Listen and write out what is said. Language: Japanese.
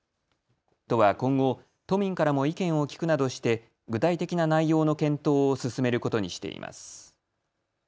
都は今後、都民からも意見を聞くなどして具体的な内容の検討を進めることにしています。